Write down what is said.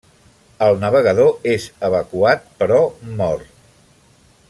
El navegador és evacuat, però mor.